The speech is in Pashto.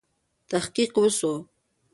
تحقیق وسو.